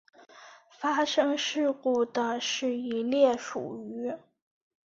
发生事故的是一列属于。